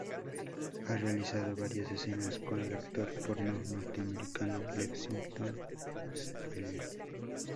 Ha realizado varias escenas con el actor porno norteamericano Lexington Steele.